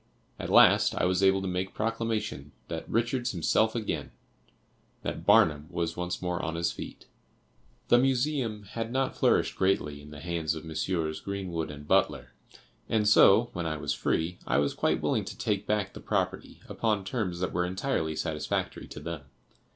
At last I was able to make proclamation that "Richard's himself again"; that Barnum was once more on his feet. The Museum had not flourished greatly in the hands of Messrs. Greenwood & Butler, and so, when I was free, I was quite willing to take back the property upon terms that were entirely satisfactory to them.